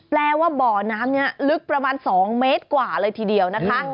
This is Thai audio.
แปลว่าบ่อน้ำนี้ลึกประมาณ๒เมตรกว่าเลยทีเดียวนะคะ